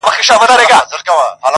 فکر مي وران دی حافظه مي ورانه .